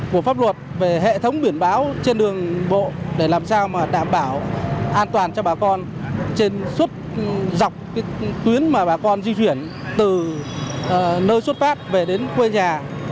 của pháp luật về hệ thống biển báo trên đường bộ để làm sao mà đảm bảo an toàn cho bà con trên suốt dọc tuyến mà bà con di chuyển từ nơi xuất phát về đến quê nhà